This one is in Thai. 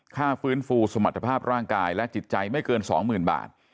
ค่าฟื้นฟูสมรรถภาพร่างกายและจิตใจไม่เกิน๒๐๐๐บาท